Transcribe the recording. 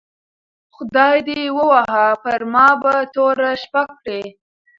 خدای دي ووهه پر ما به توره شپه کړې